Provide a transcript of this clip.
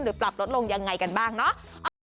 ปรับลดลงยังไงกันบ้างเนาะ